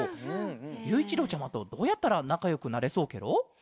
ゆういちろうちゃまとどうやったらなかよくなれそうケロ？